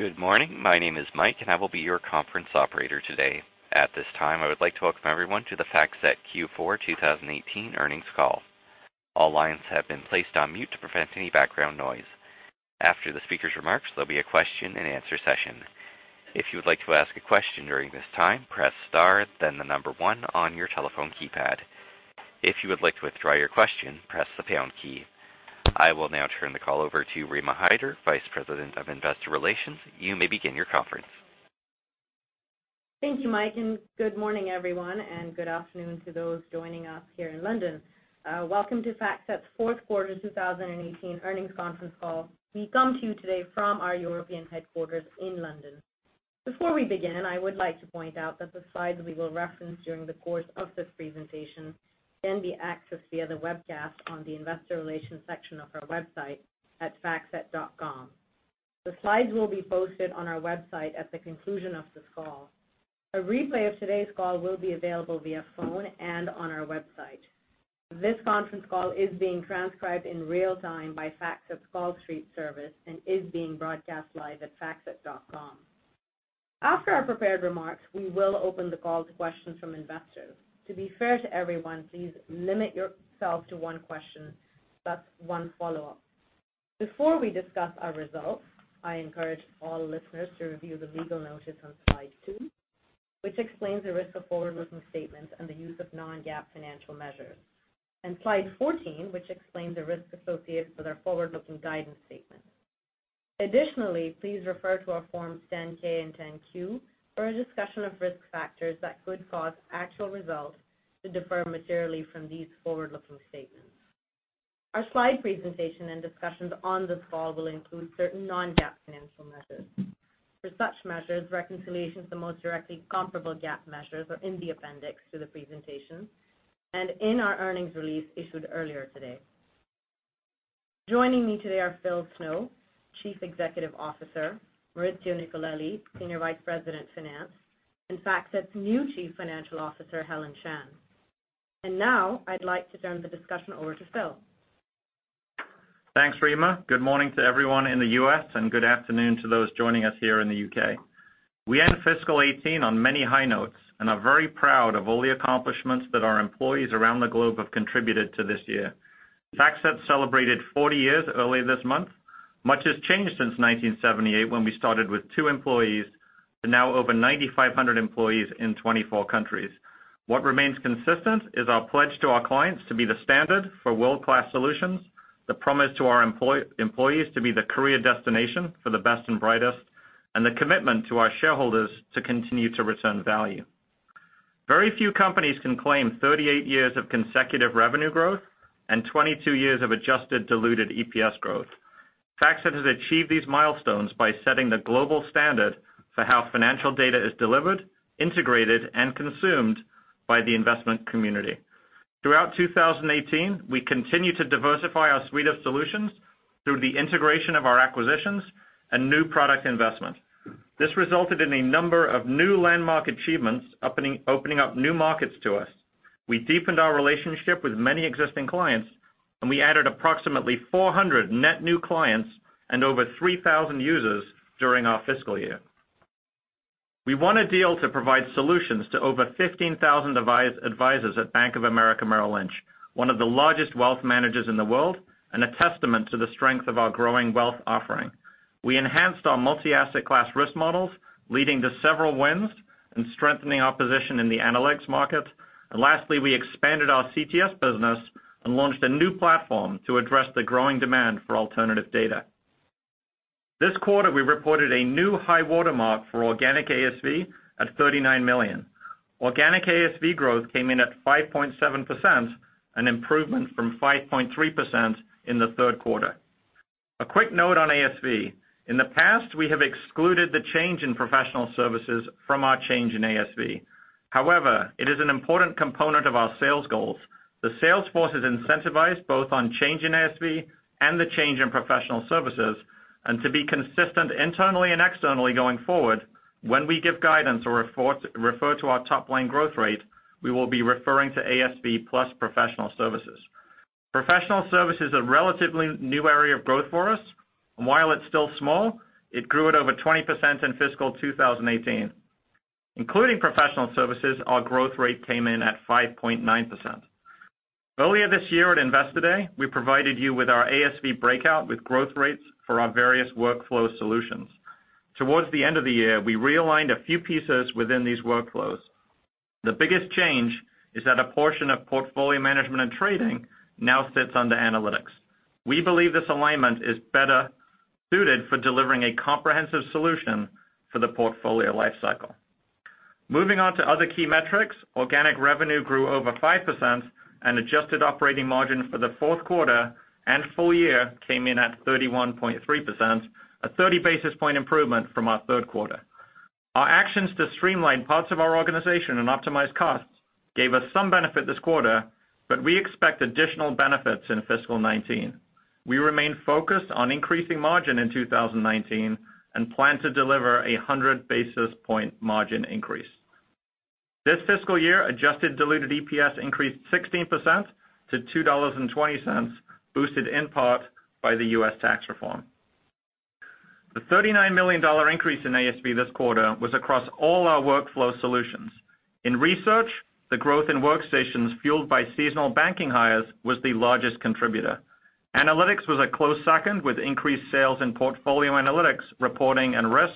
Good morning. My name is Mike, and I will be your conference operator today. At this time, I would like to welcome everyone to the FactSet Q4 2018 earnings call. All lines have been placed on mute to prevent any background noise. After the speaker's remarks, there'll be a question and answer session. If you would like to ask a question during this time, press star, then the number 1 on your telephone keypad. If you would like to withdraw your question, press the pound key. I will now turn the call over to Rima Hyder, Vice President of Investor Relations. You may begin your conference. Thank you, Mike. Good morning everyone, and good afternoon to those joining us here in London. Welcome to FactSet's fourth quarter 2018 earnings conference call. We come to you today from our European headquarters in London. Before we begin, I would like to point out that the slides we will reference during the course of this presentation can be accessed via the webcast on the investor relations section of our website at factset.com. The slides will be posted on our website at the conclusion of this call. A replay of today's call will be available via phone and on our website. This conference call is being transcribed in real time by FactSet's CallStreet service and is being broadcast live at factset.com. After our prepared remarks, we will open the call to questions from investors. To be fair to everyone, please limit yourself to one question plus one follow-up. Before we discuss our results, I encourage all listeners to review the legal notice on slide two, which explains the risk of forward-looking statements and the use of non-GAAP financial measures. Slide 14, which explains the risks associated with our forward-looking guidance statements. Additionally, please refer to our Forms 10-K and 10-Q for a discussion of risk factors that could cause actual results to differ materially from these forward-looking statements. Our slide presentation and discussions on this call will include certain non-GAAP financial measures. For such measures, reconciliations to the most directly comparable GAAP measures are in the appendix to the presentation and in our earnings release issued earlier today. Joining me today are Phil Snow, Chief Executive Officer, Maurizio Nicolelli, Senior Vice President, Finance, and FactSet's new Chief Financial Officer, Helen Shan. Now I'd like to turn the discussion over to Phil. Thanks, Rima. Good morning to everyone in the U.S. and good afternoon to those joining us here in the U.K. We end fiscal 2018 on many high notes and are very proud of all the accomplishments that our employees around the globe have contributed to this year. FactSet celebrated 40 years earlier this month. Much has changed since 1978 when we started with two employees to now over 9,500 employees in 24 countries. What remains consistent is our pledge to our clients to be the standard for world-class solutions, the promise to our employees to be the career destination for the best and brightest, and the commitment to our shareholders to continue to return value. Very few companies can claim 38 years of consecutive revenue growth and 22 years of adjusted diluted EPS growth. FactSet has achieved these milestones by setting the global standard for how financial data is delivered, integrated, and consumed by the investment community. Throughout 2018, we continued to diversify our suite of solutions through the integration of our acquisitions and new product investment. This resulted in a number of new landmark achievements, opening up new markets to us. We deepened our relationship with many existing clients, and we added approximately 400 net new clients and over 3,000 users during our fiscal year. We won a deal to provide solutions to over 15,000 advisers at Bank of America Merrill Lynch, one of the largest wealth managers in the world, and a testament to the strength of our growing wealth offering. We enhanced our multi-asset class risk models, leading to several wins and strengthening our position in the analytics market. Lastly, we expanded our CTS business and launched a new platform to address the growing demand for alternative data. This quarter, we reported a new high watermark for organic ASV at $39 million. Organic ASV growth came in at 5.7%, an improvement from 5.3% in the third quarter. A quick note on ASV. In the past, we have excluded the change in professional services from our change in ASV. However, it is an important component of our sales goals. The sales force is incentivized both on change in ASV and the change in professional services, and to be consistent internally and externally going forward, when we give guidance or refer to our top-line growth rate, we will be referring to ASV plus professional services. Professional service is a relatively new area of growth for us, and while it's still small, it grew at over 20% in fiscal 2018. Including professional services, our growth rate came in at 5.9%. Earlier this year at Investor Day, we provided you with our ASV breakout with growth rates for our various workflow solutions. Towards the end of the year, we realigned a few pieces within these workflows. The biggest change is that a portion of portfolio management and trading now sits under analytics. We believe this alignment is better suited for delivering a comprehensive solution for the portfolio life cycle. Moving on to other key metrics, organic revenue grew over 5%, and adjusted operating margin for the fourth quarter and full year came in at 31.3%, a 30-basis-point improvement from our third quarter. Our actions to streamline parts of our organization and optimize costs gave us some benefit this quarter, but we expect additional benefits in fiscal 2019. We remain focused on increasing margin in 2019 and plan to deliver a 100-basis-point margin increase. This fiscal year, adjusted diluted EPS increased 16% to $2.20, boosted in part by the U.S. tax reform. The $39 million increase in ASV this quarter was across all our workflow solutions. In research, the growth in workstations fueled by seasonal banking hires was the largest contributor. Analytics was a close second, with increased sales in portfolio analytics, reporting, and risk.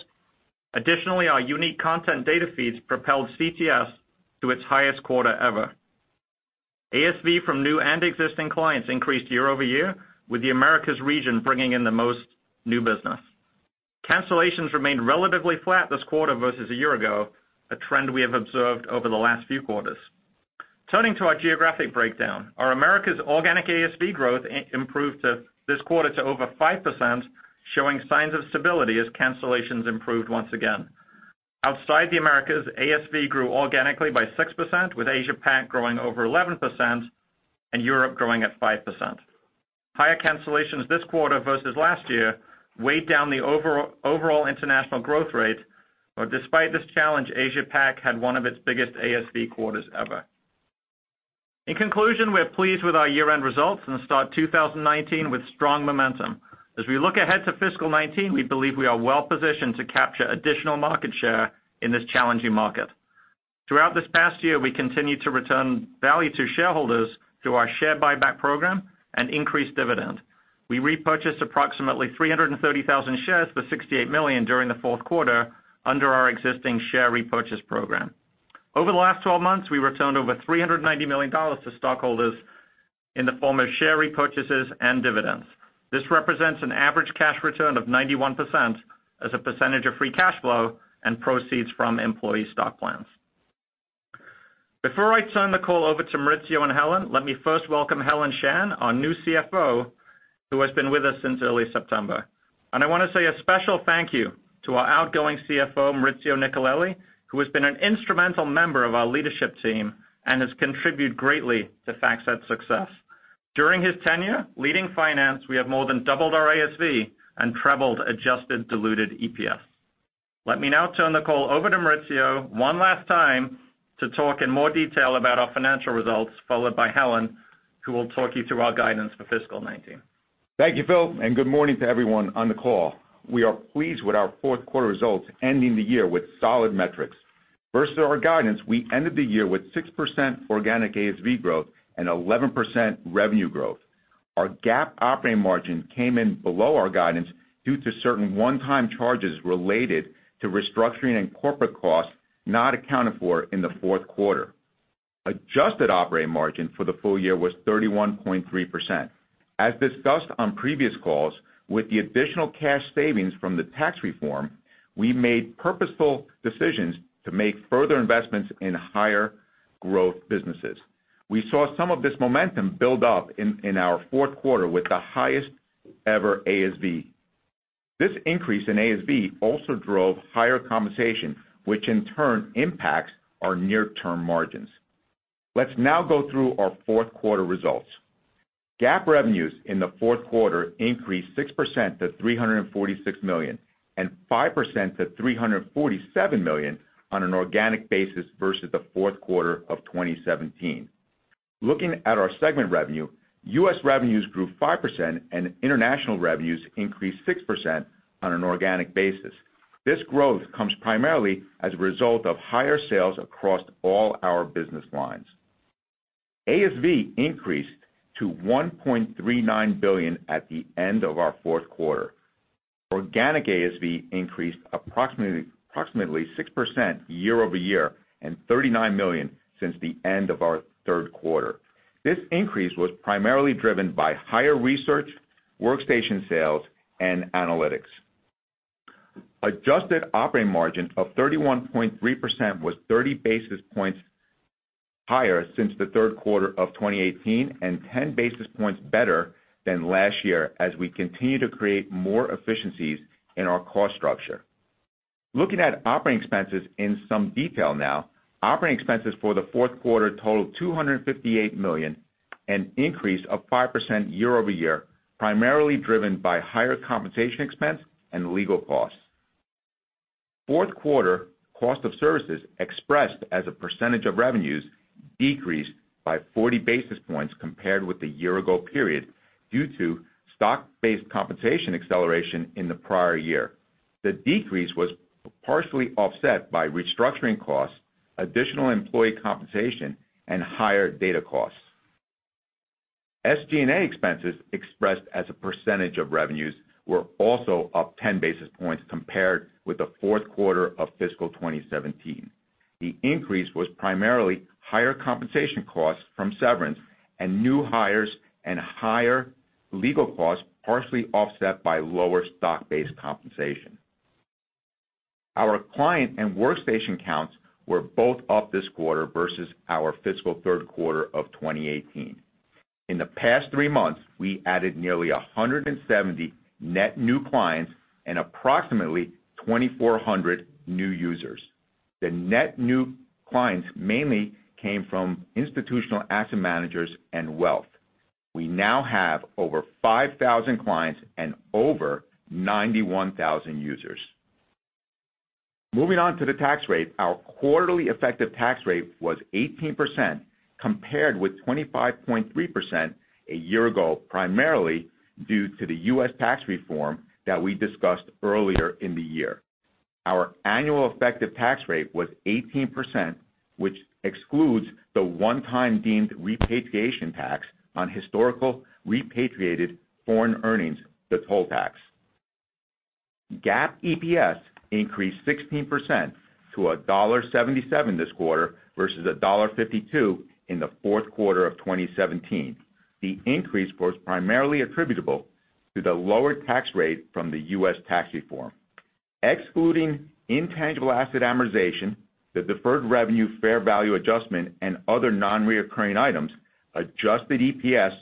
Additionally, our unique content data feeds propelled CTS to its highest quarter ever. ASV from new and existing clients increased year-over-year, with the Americas region bringing in the most new business. Cancellations remained relatively flat this quarter versus a year ago, a trend we have observed over the last few quarters. Turning to our geographic breakdown, our Americas organic ASV growth improved this quarter to over 5%, showing signs of stability as cancellations improved once again. Outside the Americas, ASV grew organically by 6%, with Asia PAC growing over 11% and Europe growing at 5%. Higher cancellations this quarter versus last year weighed down the overall international growth rate. Despite this challenge, Asia PAC had one of its biggest ASV quarters ever. In conclusion, we are pleased with our year-end results and start 2019 with strong momentum. As we look ahead to fiscal 2019, we believe we are well-positioned to capture additional market share in this challenging market. Throughout this past year, we continued to return value to shareholders through our share buyback program and increased dividend. We repurchased approximately 330,000 shares for $68 million during the fourth quarter under our existing share repurchase program. Over the last 12 months, we returned over $390 million to stockholders in the form of share repurchases and dividends. This represents an average cash return of 91% as a percentage of free cash flow and proceeds from employee stock plans. Before I turn the call over to Maurizio and Helen, let me first welcome Helen Shan, our new CFO, who has been with us since early September. I want to say a special thank you to our outgoing CFO, Maurizio Nicolelli, who has been an instrumental member of our leadership team and has contributed greatly to FactSet's success. During his tenure leading finance, we have more than doubled our ASV and trebled adjusted diluted EPS. Let me now turn the call over to Maurizio one last time to talk in more detail about our financial results, followed by Helen, who will talk you through our guidance for fiscal 2019. Thank you, Phil, and good morning to everyone on the call. We are pleased with our fourth quarter results, ending the year with solid metrics. Versus our guidance, we ended the year with 6% organic ASV growth and 11% revenue growth. Our GAAP operating margin came in below our guidance due to certain one-time charges related to restructuring and corporate costs not accounted for in the fourth quarter. Adjusted operating margin for the full year was 31.3%. As discussed on previous calls, with the additional cash savings from the tax reform, we made purposeful decisions to make further investments in higher growth businesses. We saw some of this momentum build up in our fourth quarter with the highest-ever ASV. This increase in ASV also drove higher compensation, which in turn impacts our near-term margins. Let's now go through our fourth quarter results. GAAP revenues in the fourth quarter increased 6% to $346 million, and 5% to $347 million on an organic basis versus the fourth quarter of 2017. Looking at our segment revenue, U.S. revenues grew 5%, and international revenues increased 6% on an organic basis. This growth comes primarily as a result of higher sales across all our business lines. ASV increased to $1.39 billion at the end of our fourth quarter. Organic ASV increased approximately 6% year-over-year and $39 million since the end of our third quarter. This increase was primarily driven by higher research, workstation sales, and analytics. Adjusted operating margin of 31.3% was 30 basis points higher since the third quarter of 2018 and 10 basis points better than last year as we continue to create more efficiencies in our cost structure. Looking at operating expenses in some detail now. Operating expenses for the fourth quarter totaled $258 million, an increase of 5% year-over-year, primarily driven by higher compensation expense and legal costs. Fourth quarter cost of services expressed as a percentage of revenues decreased by 40 basis points compared with the year-ago period due to stock-based compensation acceleration in the prior year. The decrease was partially offset by restructuring costs, additional employee compensation, and higher data costs. SG&A expenses expressed as a percentage of revenues were also up 10 basis points compared with the fourth quarter of fiscal 2017. The increase was primarily higher compensation costs from severance and new hires and higher legal costs partially offset by lower stock-based compensation. Our client and workstation counts were both up this quarter versus our fiscal third quarter of 2018. In the past three months, we added nearly 170 net new clients and approximately 2,400 new users. The net new clients mainly came from institutional asset managers and wealth. We now have over 5,000 clients and over 91,000 users. Moving on to the tax rate, our quarterly effective tax rate was 18%, compared with 25.3% a year ago, primarily due to the U.S. tax reform that we discussed earlier in the year. Our annual effective tax rate was 18%, which excludes the one-time deemed repatriation tax on historical repatriated foreign earnings, the toll tax. GAAP EPS increased 16% to $1.77 this quarter versus $1.52 in the fourth quarter of 2017. The increase was primarily attributable to the lower tax rate from the U.S. tax reform. Excluding intangible asset amortization, the deferred revenue fair value adjustment, and other non-reoccurring items, adjusted EPS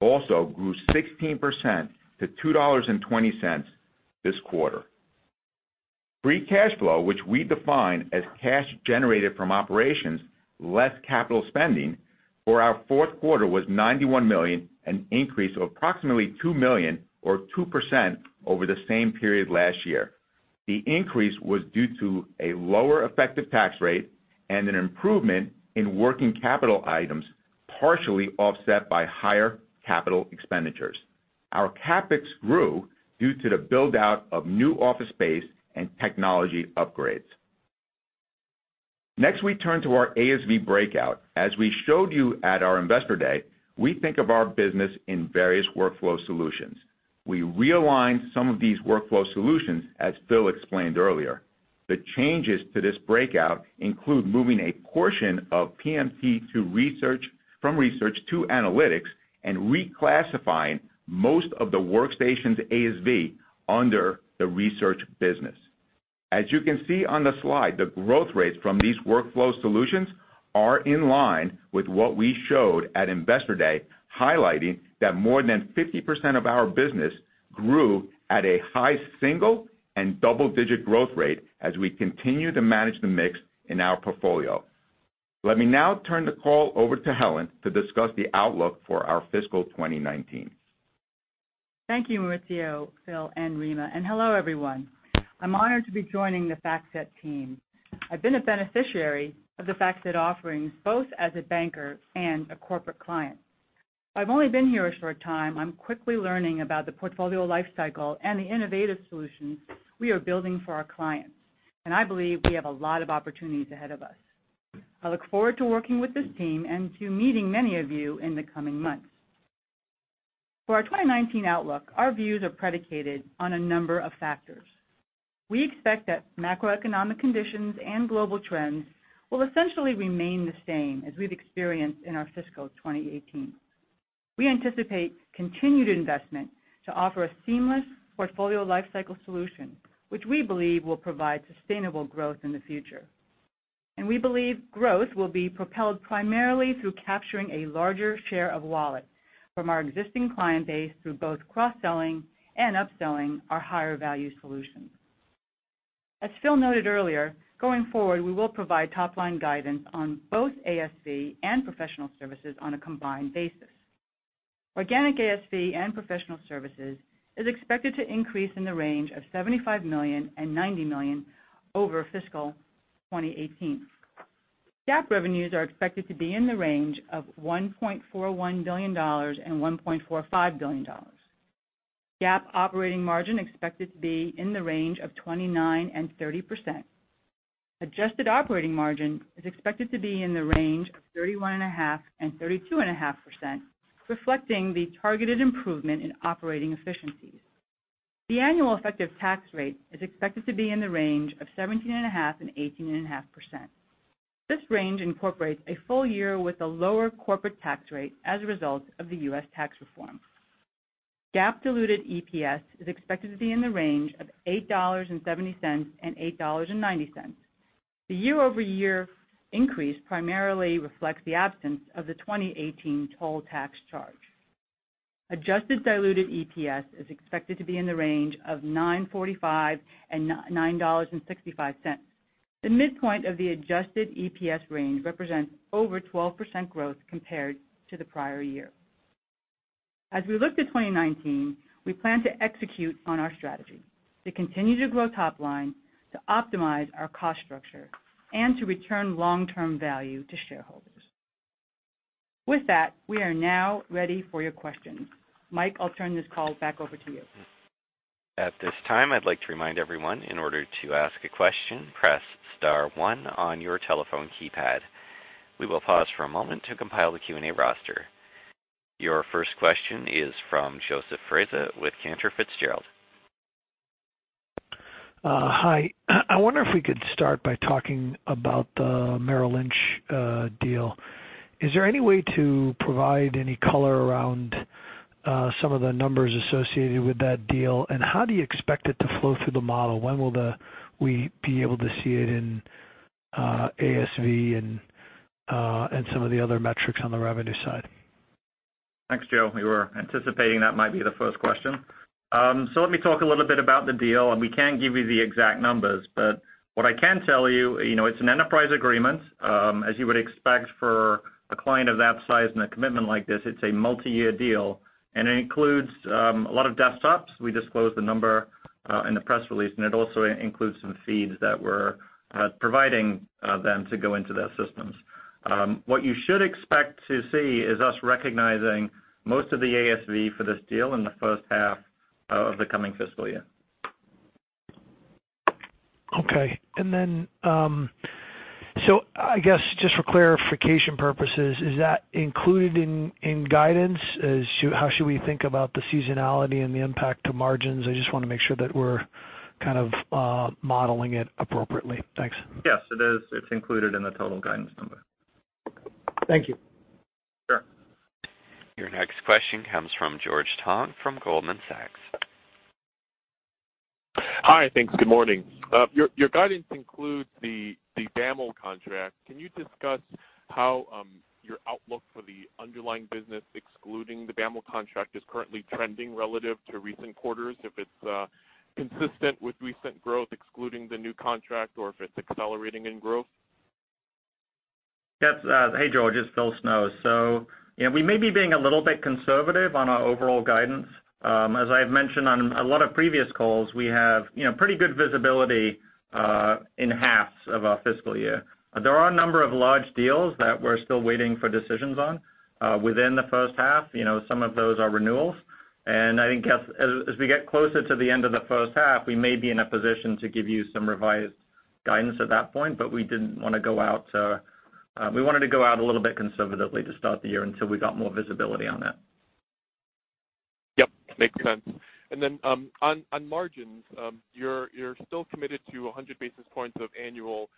also grew 16% to $2.20 this quarter. Free cash flow, which we define as cash generated from operations less capital spending for our fourth quarter, was $91 million, an increase of approximately $2 million or 2% over the same period last year. The increase was due to a lower effective tax rate and an improvement in working capital items, partially offset by higher capital expenditures. Our CapEx grew due to the build-out of new office space and technology upgrades. Next, we turn to our ASV breakout. As we showed you at our Investor Day, we think of our business in various workflow solutions. We realigned some of these workflow solutions, as Phil explained earlier. The changes to this breakout include moving a portion of PMT from research to analytics and reclassifying most of the workstations ASV under the research business. As you can see on the slide, the growth rates from these workflow solutions are in line with what we showed at Investor Day, highlighting that more than 50% of our business grew at a high single and double-digit growth rate as we continue to manage the mix in our portfolio. Let me now turn the call over to Helen to discuss the outlook for our fiscal 2019. Thank you, Maurizio, Phil, and Rima. Hello, everyone. I'm honored to be joining the FactSet team. I've been a beneficiary of the FactSet offerings, both as a banker and a corporate client. I've only been here a short time. I'm quickly learning about the portfolio lifecycle and the innovative solutions we are building for our clients, and I believe we have a lot of opportunities ahead of us. I look forward to working with this team and to meeting many of you in the coming months. For our 2019 outlook, our views are predicated on a number of factors. We expect that macroeconomic conditions and global trends will essentially remain the same as we've experienced in our fiscal 2018. We anticipate continued investment to offer a seamless portfolio lifecycle solution, which we believe will provide sustainable growth in the future. We believe growth will be propelled primarily through capturing a larger share of wallet from our existing client base through both cross-selling and upselling our higher-value solutions. As Phil noted earlier, going forward, we will provide top-line guidance on both ASV and professional services on a combined basis. Organic ASV and professional services is expected to increase in the range of $75 million-$90 million over fiscal 2018. GAAP revenues are expected to be in the range of $1.41 billion-$1.45 billion. GAAP operating margin expected to be in the range of 29%-30%. Adjusted operating margin is expected to be in the range of 31.5%-32.5%, reflecting the targeted improvement in operating efficiencies. The annual effective tax rate is expected to be in the range of 17.5%-18.5%. This range incorporates a full year with a lower corporate tax rate as a result of the U.S. tax reform. GAAP diluted EPS is expected to be in the range of $8.70-$8.90. The year-over-year increase primarily reflects the absence of the 2018 toll tax charge. Adjusted diluted EPS is expected to be in the range of $9.45-$9.65. The midpoint of the adjusted EPS range represents over 12% growth compared to the prior year. As we look to 2019, we plan to execute on our strategy, to continue to grow top line, to optimize our cost structure, and to return long-term value to shareholders. With that, we are now ready for your questions. Mike, I'll turn this call back over to you. At this time, I'd like to remind everyone, in order to ask a question, press star one on your telephone keypad. We will pause for a moment to compile the Q&A roster. Your first question is from Joseph Foresi with Cantor Fitzgerald. Hi. I wonder if we could start by talking about the Merrill Lynch deal. Is there any way to provide any color around some of the numbers associated with that deal? How do you expect it to flow through the model? When will we be able to see it in ASV and some of the other metrics on the revenue side? Thanks, Joe. We were anticipating that might be the first question. Let me talk a little bit about the deal, and we can't give you the exact numbers. What I can tell you, it's an enterprise agreement, as you would expect for a client of that size and a commitment like this. It's a multi-year deal, and it includes a lot of desktops. We disclose the number in the press release, and it also includes some feeds that we're providing them to go into their systems. What you should expect to see is us recognizing most of the ASV for this deal in the first half of the coming fiscal year. Okay. I guess, just for clarification purposes, is that included in guidance? How should we think about the seasonality and the impact to margins? I just want to make sure that we're kind of modeling it appropriately. Thanks. Yes, it is. It's included in the total guidance number. Thank you. Sure. Your next question comes from George Tong from Goldman Sachs. Hi. Thanks. Good morning. Your guidance includes the BAML contract. Can you discuss how your outlook for the underlying business, excluding the BAML contract, is currently trending relative to recent quarters, if it's consistent with recent growth, excluding the new contract, or if it's accelerating in growth? Yes. Hey, George, it's Phil Snow. Yeah, we may be being a little bit conservative on our overall guidance. As I've mentioned on a lot of previous calls, we have pretty good visibility in halves of our fiscal year. There are a number of large deals that we're still waiting for decisions on within the first half. Some of those are renewals. I think as we get closer to the end of the first half, we may be in a position to give you some revised guidance at that point, we wanted to go out a little bit conservatively to start the year until we got more visibility on that. Yep, makes sense. Then on margins, you're still committed to 100 basis points of annual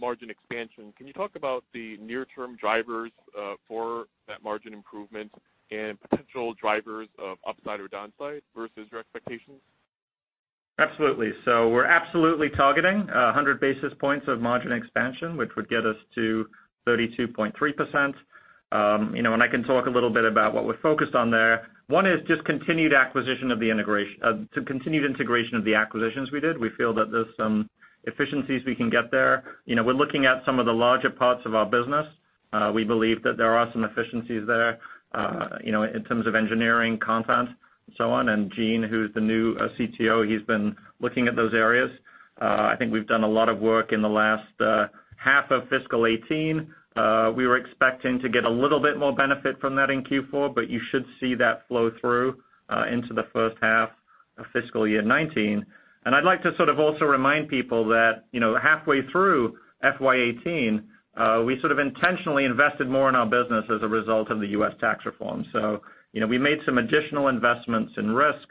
margin expansion. Can you talk about the near-term drivers for that margin improvement and potential drivers of upside or downside versus your expectations? Absolutely. We're absolutely targeting 100 basis points of margin expansion, which would get us to 32.3%. I can talk a little bit about what we're focused on there. One is just continued integration of the acquisitions we did. We feel that there's some efficiencies we can get there. We're looking at some of the larger parts of our business. We believe that there are some efficiencies there in terms of engineering content and so on. Gene, who's the new CTO, he's been looking at those areas. I think we've done a lot of work in the last half of fiscal 2018. We were expecting to get a little bit more benefit from that in Q4, you should see that flow through into the first half of fiscal year 2019. I'd like to sort of also remind people that halfway through FY 2018, we sort of intentionally invested more in our business as a result of the U.S. tax reform. We made some additional investments in risk.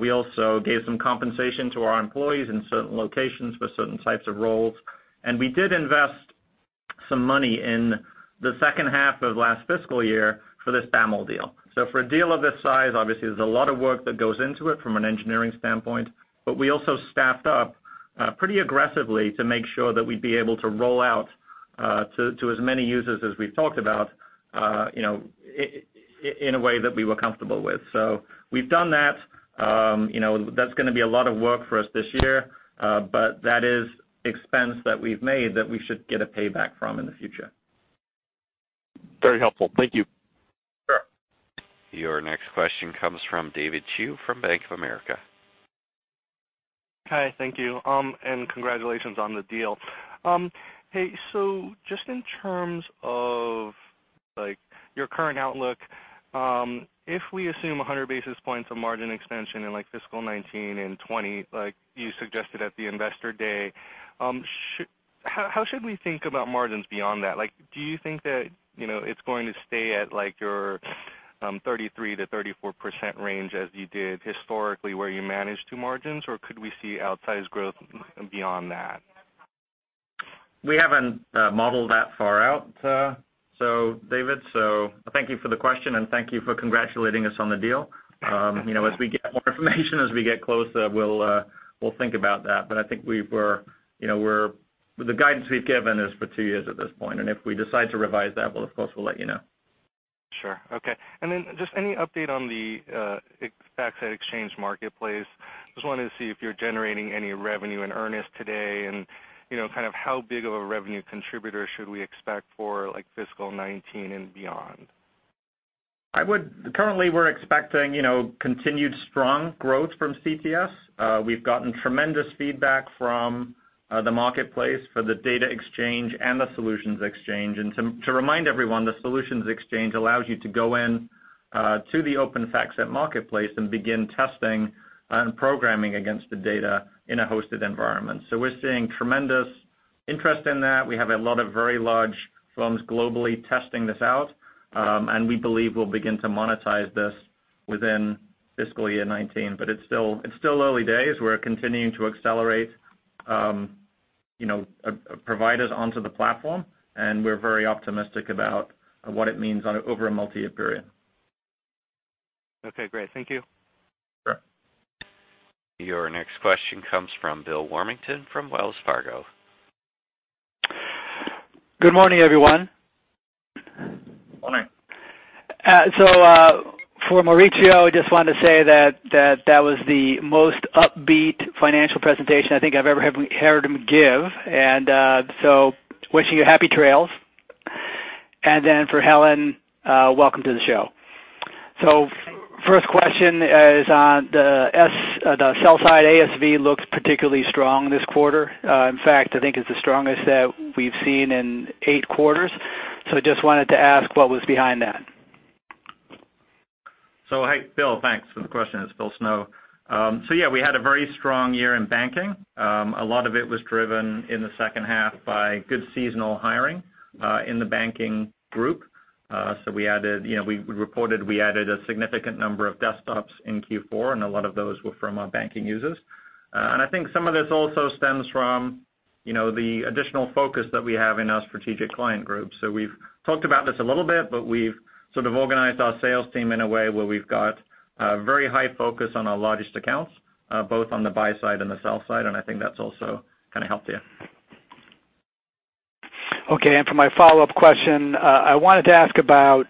We also gave some compensation to our employees in certain locations for certain types of roles. We did invest some money in the second half of last fiscal year for this BAML deal. For a deal of this size, obviously, there's a lot of work that goes into it from an engineering standpoint. We also staffed up pretty aggressively to make sure that we'd be able to roll out to as many users as we've talked about in a way that we were comfortable with. We've done that. That's going to be a lot of work for us this year. That is expense that we've made that we should get a payback from in the future. Very helpful. Thank you. Sure. Your next question comes from David Chu from Bank of America. Hi. Thank you, and congratulations on the deal. Just in terms of your current outlook, if we assume 100 basis points of margin expansion in fiscal 2019 and 2020, like you suggested at the investor day, how should we think about margins beyond that? Do you think that it's going to stay at your 33%-34% range as you did historically where you managed 2 margins, or could we see outsized growth beyond that? We haven't modeled that far out, David. Thank you for the question, and thank you for congratulating us on the deal. As we get more information, as we get closer, we'll think about that. I think the guidance we've given is for 2 years at this point, and if we decide to revise that, of course, we'll let you know. Sure. Okay. Just any update on the FactSet exchange marketplace. Just wanted to see if you're generating any revenue in earnest today, and kind of how big of a revenue contributor should we expect for fiscal 2019 and beyond? Currently, we're expecting continued strong growth from CTS. We've gotten tremendous feedback from the marketplace for the data exchange and the solutions exchange. To remind everyone, the solutions exchange allows you to go in to the open FactSet marketplace and begin testing and programming against the data in a hosted environment. We're seeing tremendous interest in that. We have a lot of very large firms globally testing this out. We believe we'll begin to monetize this within fiscal year 2019. It's still early days. We're continuing to accelerate providers onto the platform, and we're very optimistic about what it means over a multi-year period. Okay, great. Thank you. Sure. Your next question comes from Bill Warmington from Wells Fargo. Good morning, everyone. Morning. For Maurizio, just wanted to say that was the most upbeat financial presentation I think I've ever heard him give. Wishing you happy trails. For Helen, welcome to the show. First question is on the sell-side ASV looks particularly strong this quarter. In fact, I think it's the strongest that we've seen in eight quarters. Just wanted to ask what was behind that. Hey, Bill. Thanks for the question. It's Phil Snow. We had a very strong year in banking. A lot of it was driven in the second half by good seasonal hiring, in the banking group. We reported we added a significant number of desktops in Q4, and a lot of those were from our banking users. I think some of this also stems from the additional focus that we have in our strategic client group. We've talked about this a little bit, but we've sort of organized our sales team in a way where we've got a very high focus on our largest accounts, both on the buy side and the sell side, and I think that's also kind of helped here. For my follow-up question, I wanted to ask about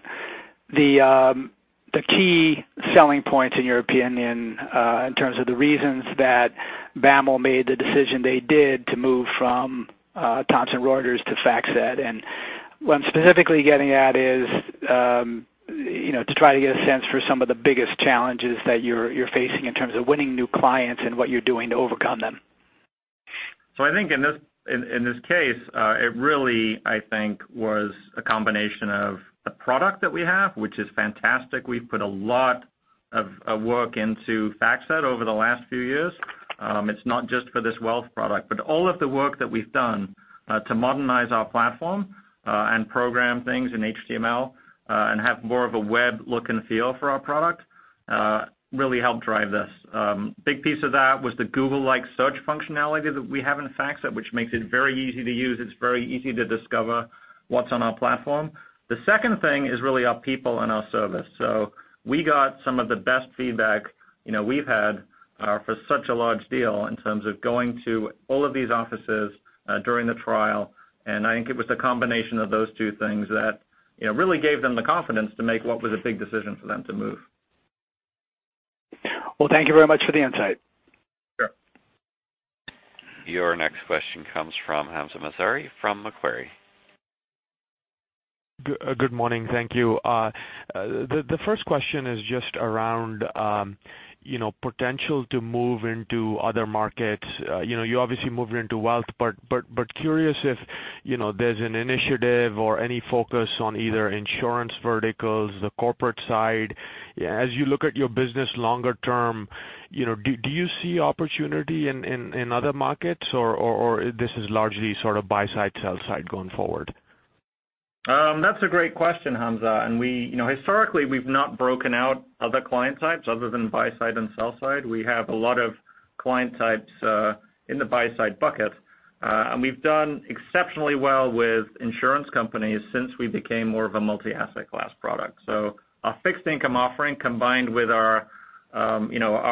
the key selling points in your opinion, in terms of the reasons that BAML made the decision they did to move from Thomson Reuters to FactSet. What I'm specifically getting at is, to try to get a sense for some of the biggest challenges that you're facing in terms of winning new clients and what you're doing to overcome them. I think in this case, it really, I think was a combination of the product that we have, which is fantastic. We've put a lot of work into FactSet over the last few years. It's not just for this wealth product, but all of the work that we've done to modernize our platform and program things in HTML, and have more of a web look and feel for our product, really helped drive this. Big piece of that was the Google-like search functionality that we have in FactSet, which makes it very easy to use. It's very easy to discover what's on our platform. The second thing is really our people and our service. We got some of the best feedback we've had for such a large deal in terms of going to all of these offices during the trial. I think it was the combination of those two things that really gave them the confidence to make what was a big decision for them to move. Well, thank you very much for the insight. Sure. Your next question comes from Hamzah Mazari from Macquarie. Good morning. Thank you. The first question is just around potential to move into other markets. You obviously moved into wealth but curious if there's an initiative or any focus on either insurance verticals, the corporate side. As you look at your business longer term, do you see opportunity in other markets, or this is largely sort of buy-side, sell-side going forward? That's a great question, Hamzah. Historically, we've not broken out other client types other than buy-side and sell-side. We have a lot of client types, in the buy-side bucket. We've done exceptionally well with insurance companies since we became more of a multi-asset class product. Our fixed income offering combined with our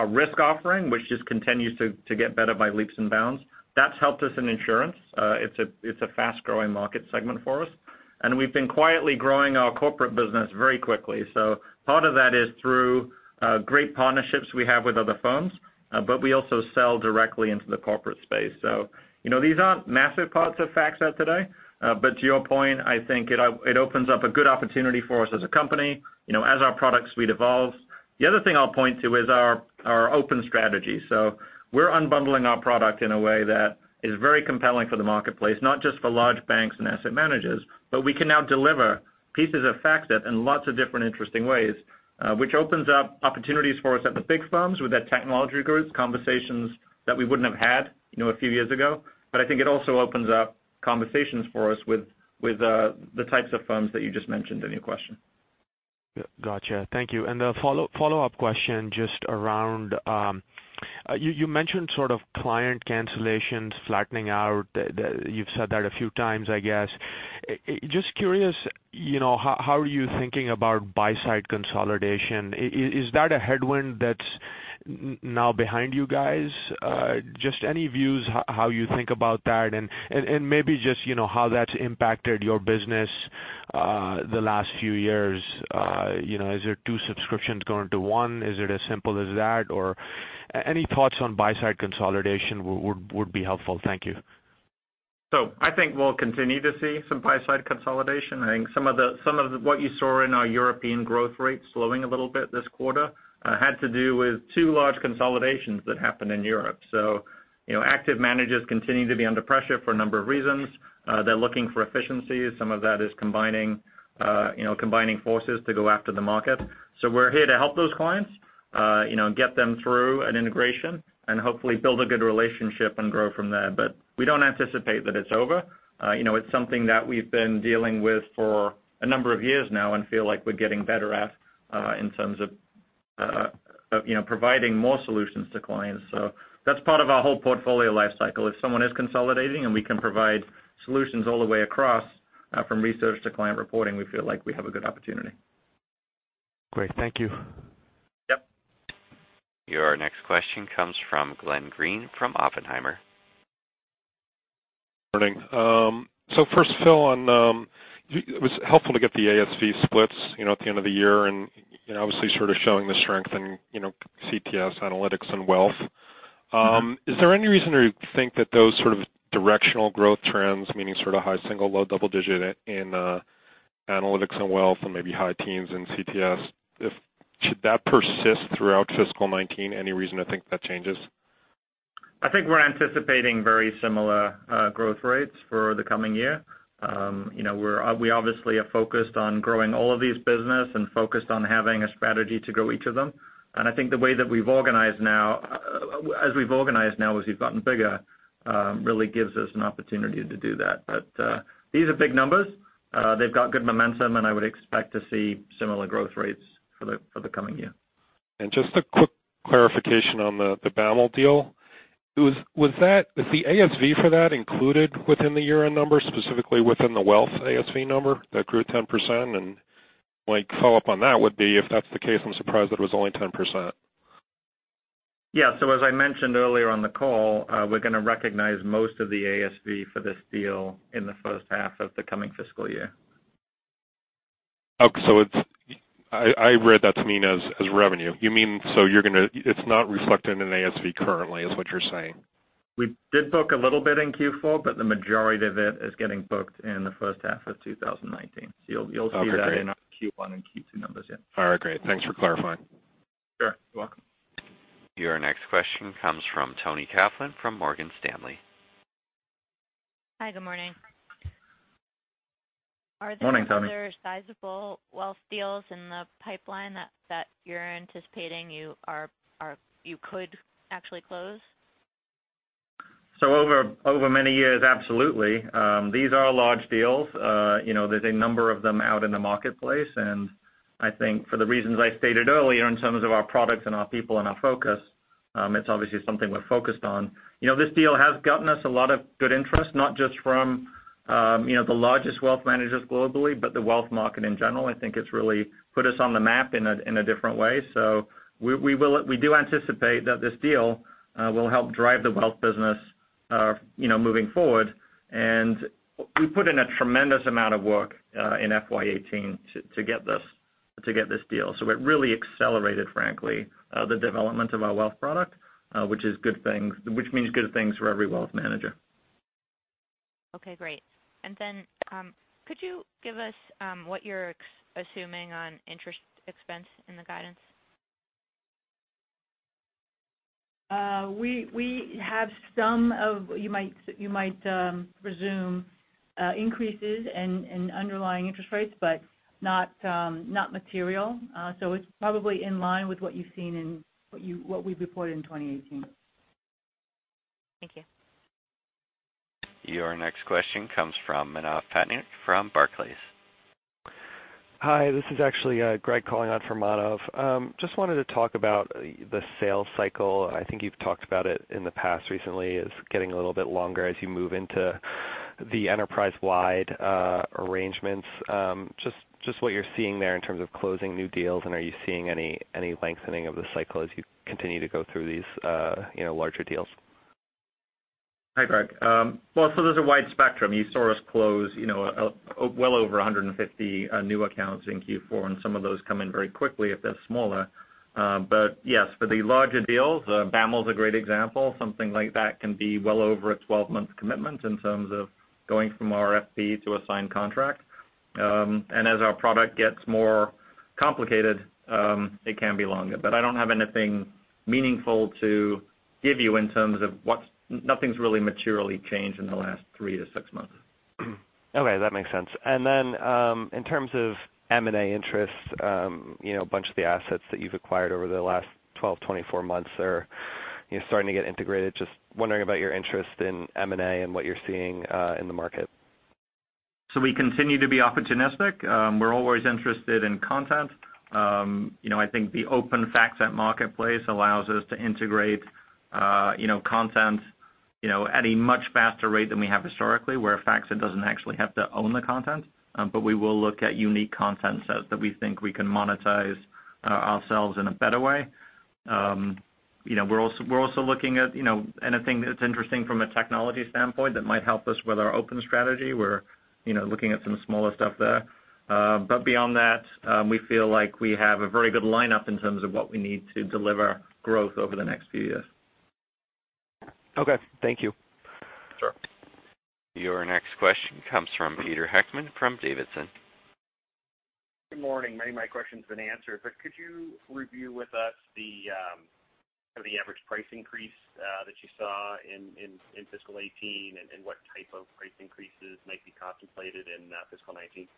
risk offering, which just continues to get better by leaps and bounds, that's helped us in insurance. It's a fast-growing market segment for us, and we've been quietly growing our corporate business very quickly. Part of that is through great partnerships we have with other firms, but we also sell directly into the corporate space. These aren't massive parts of FactSet today. To your point, I think it opens up a good opportunity for us as a company, as our product suite evolves. The other thing I'll point to is our open strategy. We're unbundling our product in a way that is very compelling for the marketplace, not just for large banks and asset managers, but we can now deliver pieces of FactSet in lots of different, interesting ways, which opens up opportunities for us at the big firms with their technology groups, conversations that we wouldn't have had a few years ago. I think it also opens up conversations for us with the types of firms that you just mentioned in your question. Got you. Thank you. The follow-up question, just around, you mentioned sort of client cancellations flattening out. You've said that a few times, I guess. Just curious, how are you thinking about buy-side consolidation? Is that a headwind that's now behind you guys? Just any views how you think about that and maybe just how that's impacted your business the last few years. Is there two subscriptions going to one? Is it as simple as that, or any thoughts on buy-side consolidation would be helpful. Thank you. I think we'll continue to see some buy-side consolidation. I think some of what you saw in our European growth rate slowing a little bit this quarter had to do with two large consolidations that happened in Europe. Active managers continue to be under pressure for a number of reasons. They're looking for efficiencies. Some of that is combining forces to go after the market. We're here to help those clients, get them through an integration and hopefully build a good relationship and grow from there. We don't anticipate that it's over. It's something that we've been dealing with for a number of years now and feel like we're getting better at, in terms of providing more solutions to clients. That's part of our whole portfolio life cycle. If someone is consolidating and we can provide solutions all the way across, from research to client reporting, we feel like we have a good opportunity. Great. Thank you. Yep. Your next question comes from Glenn Greene from Oppenheimer. Good morning. First, Phil, it was helpful to get the ASV splits at the end of the year, and obviously sort of showing the strength in CTS Analytics and Wealth. Is there any reason to think that those sort of directional growth trends, meaning sort of high single, low double digit in analytics and wealth and maybe high teens in CTS, should that persist throughout fiscal 2019? Any reason to think that changes? I think we're anticipating very similar growth rates for the coming year. We obviously are focused on growing all of these business and focused on having a strategy to grow each of them. I think the way that we've organized now, as we've gotten bigger, really gives us an opportunity to do that. These are big numbers. They've got good momentum, and I would expect to see similar growth rates for the coming year. Just a quick clarification on the BAML deal. Was the ASV for that included within the year-end numbers, specifically within the wealth ASV number that grew 10%? My follow-up on that would be, if that's the case, I'm surprised it was only 10%. Yeah. As I mentioned earlier on the call, we're going to recognize most of the ASV for this deal in the first half of the coming fiscal year. Okay. I read that to mean as revenue. You mean it's not reflected in ASV currently, is what you're saying. We did book a little bit in Q4, but the majority of it is getting booked in the first half of 2019. You'll see. Okay, great. In our Q1 and Q2 numbers, yeah. All right, great. Thanks for clarifying. Sure. You're welcome. Your next question comes from Toni Kaplan from Morgan Stanley. Hi, good morning. Morning, Toni. Are there other sizable wealth deals in the pipeline that you're anticipating you could actually close? Over many years, absolutely. These are large deals. There's a number of them out in the marketplace, and I think for the reasons I stated earlier in terms of our products and our people and our focus, it's obviously something we're focused on. This deal has gotten us a lot of good interest, not just from the largest wealth managers globally, but the wealth market in general. I think it's really put us on the map in a different way. We do anticipate that this deal will help drive the wealth business moving forward, and we put in a tremendous amount of work in FY 2018 to get this deal. It really accelerated, frankly, the development of our wealth product, which means good things for every wealth manager. Okay, great. Could you give us what you're assuming on interest expense in the guidance? You might presume increases in underlying interest rates, but not material. It's probably in line with what you've seen and what we've reported in 2018. Thank you. Your next question comes from Manav Patnaik from Barclays. Hi. This is actually Greg calling out for Manav. Wanted to talk about the sales cycle. I think you've talked about it in the past recently. It's getting a little bit longer as you move into the enterprise-wide arrangements. What you're seeing there in terms of closing new deals, and are you seeing any lengthening of the cycle as you continue to go through these larger deals? Hi, Greg. Well, there's a wide spectrum. You saw us close well over 150 new accounts in Q4. Some of those come in very quickly if they're smaller. Yes, for the larger deals, BAML is a great example. Something like that can be well over a 12-month commitment in terms of going from RFP to a signed contract. As our product gets more complicated, it can be longer. I don't have anything meaningful to give you in terms of what nothing's really materially changed in the last three to six months. Okay, that makes sense. In terms of M&A interest, a bunch of the assets that you've acquired over the last 12, 24 months are starting to get integrated. Just wondering about your interest in M&A and what you're seeing in the market. We continue to be opportunistic. We're always interested in content. I think the open FactSet marketplace allows us to integrate content at a much faster rate than we have historically, where FactSet doesn't actually have to own the content. We will look at unique content sets that we think we can monetize ourselves in a better way. We're also looking at anything that's interesting from a technology standpoint that might help us with our open strategy. We're looking at some smaller stuff there. Beyond that, we feel like we have a very good lineup in terms of what we need to deliver growth over the next few years. Okay. Thank you. Sure. Your next question comes from Peter Heckmann from Davidson. Good morning. Many of my questions have been answered, could you review with us the average price increase that you saw in fiscal 2018 and what type of price increases might be contemplated in fiscal 2019?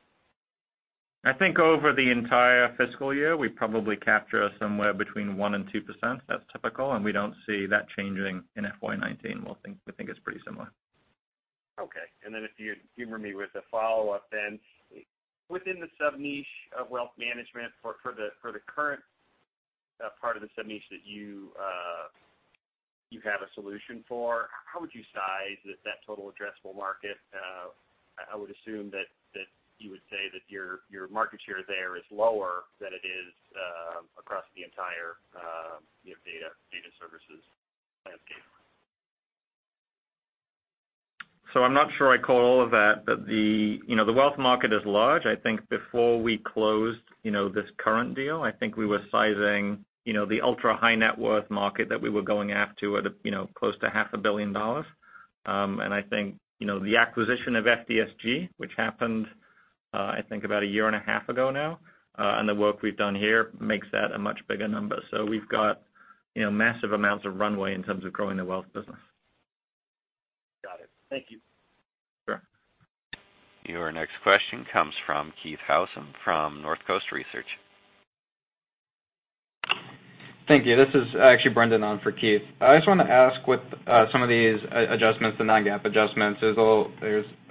I think over the entire fiscal year, we probably capture somewhere between 1% and 2%. That's typical, we don't see that changing in FY 2019. We think it's pretty similar. Okay. If you'd humor me with a follow-up then, within the sub-niche of wealth management for the current part of the sub-niche that you have a solution for, how would you size that total addressable market? I would assume that you would say that your market share there is lower than it is across the entire data services landscape. I'm not sure I caught all of that. The wealth market is large. I think before we closed this current deal, I think we were sizing the ultra-high net worth market that we were going after at close to half a billion dollars. I think, the acquisition of FDSG, which happened, I think about a year and a half ago now, and the work we've done here makes that a much bigger number. We've got massive amounts of runway in terms of growing the wealth business. Got it. Thank you. Sure. Your next question comes from Keith Housum from Northcoast Research. Thank you. This is actually Brendan on for Keith. I just want to ask what some of these adjustments, the non-GAAP adjustments, there's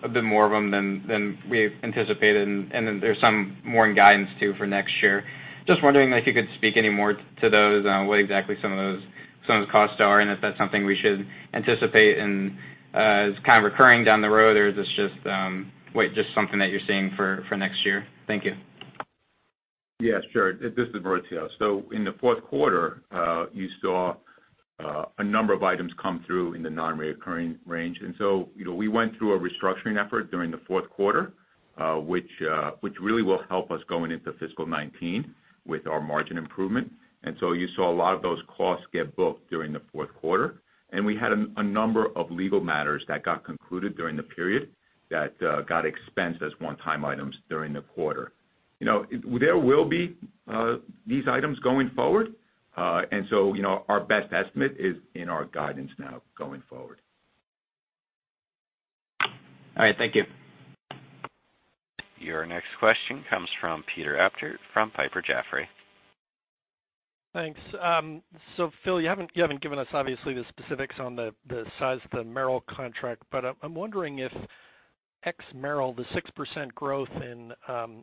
a bit more of them than we anticipated, then there's some more in guidance, too, for next year. Just wondering if you could speak any more to those, what exactly some of those costs are, if that's something we should anticipate as kind of recurring down the road, or is this just something that you're seeing for next year? Thank you. Yeah, sure. This is Maurizio. In the fourth quarter, you saw a number of items come through in the non-reoccurring range. We went through a restructuring effort during the fourth quarter, which really will help us going into fiscal 2019 with our margin improvement. You saw a lot of those costs get booked during the fourth quarter. We had a number of legal matters that got concluded during the period that got expensed as one-time items during the quarter. There will be these items going forward. Our best estimate is in our guidance now going forward. All right. Thank you. Your next question comes from Peter Appert from Piper Jaffray. Thanks. Phil, you haven't given us, obviously, the specifics on the size of the Merrill contract, but I'm wondering if ex-Merrill, the 6% growth in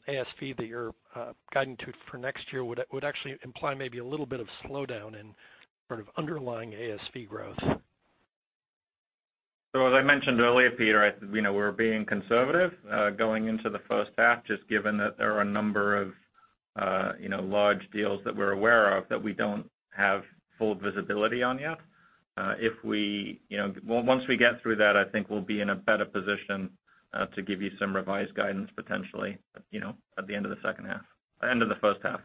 ASV that you're guiding to for next year would actually imply maybe a little bit of slowdown in sort of underlying ASV growth. As I mentioned earlier, Peter, we're being conservative going into the first half, just given that there are a number of large deals that we're aware of that we don't have full visibility on yet. Once we get through that, I think we'll be in a better position to give you some revised guidance potentially, at the end of the first half.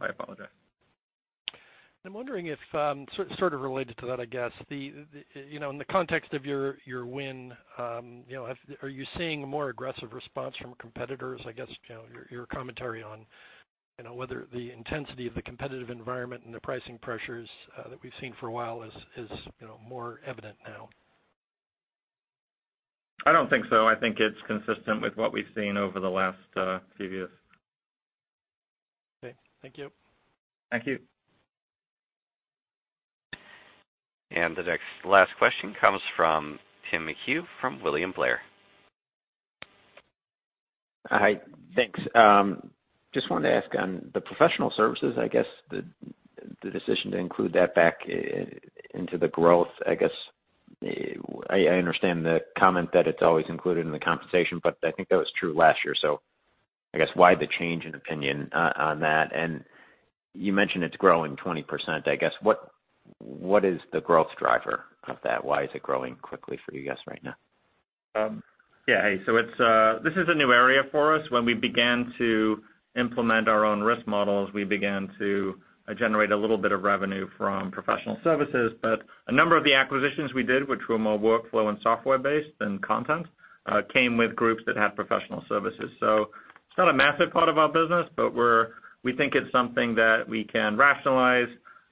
I'm wondering if, sort of related to that, I guess. In the context of your win, are you seeing a more aggressive response from competitors? I guess your commentary on whether the intensity of the competitive environment and the pricing pressures that we've seen for a while is more evident now. I don't think so. I think it's consistent with what we've seen over the last previous Okay. Thank you. Thank you. The next last question comes from Tim McHugh from William Blair. Hi. Thanks. Just wanted to ask on the professional services, I guess the decision to include that back into the growth. I understand the comment that it's always included in the compensation, I think that was true last year. I guess why the change in opinion on that? You mentioned it's growing 20%. I guess, what is the growth driver of that? Why is it growing quickly for you guys right now? Yeah. This is a new area for us. When we began to implement our own risk models, we began to generate a little bit of revenue from professional services. A number of the acquisitions we did, which were more workflow and software-based than content, came with groups that had professional services. It's not a massive part of our business, but we think it's something that we can rationalize,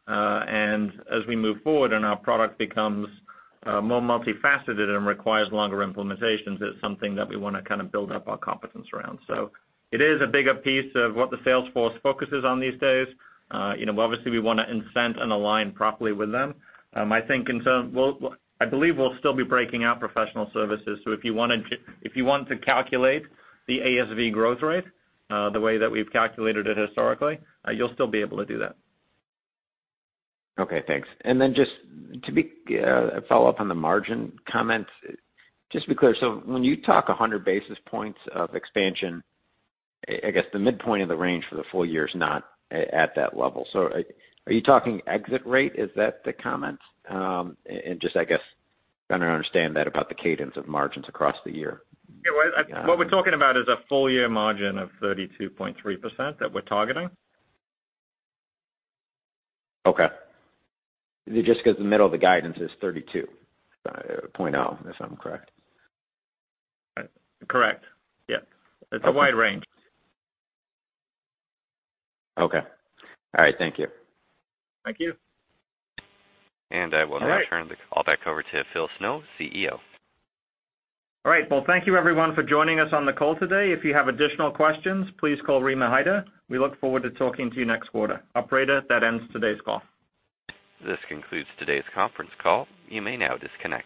and as we move forward and our product becomes more multifaceted and requires longer implementations, it's something that we want to kind of build up our competence around. It is a bigger piece of what the sales force focuses on these days. Obviously, we want to incent and align properly with them. I believe we'll still be breaking out professional services, so if you want to calculate the ASV growth rate, the way that we've calculated it historically, you'll still be able to do that. Okay, thanks. Just to follow up on the margin comments. Just to be clear, when you talk 100 basis points of expansion, I guess the midpoint of the range for the full year is not at that level. Are you talking exit rate? Is that the comment? Just, I guess, trying to understand that about the cadence of margins across the year. Yeah. What we're talking about is a full year margin of 32.3% that we're targeting. Okay. Just because the middle of the guidance is 32.0, if I'm correct. Correct. Yeah. It's a wide range. Okay. All right. Thank you. Thank you. I will now. All right. Turn the call back over to Phil Snow, CEO. All right. Well, thank you everyone for joining us on the call today. If you have additional questions, please call Rima Hyder. We look forward to talking to you next quarter. Operator, that ends today's call. This concludes today's conference call. You may now disconnect.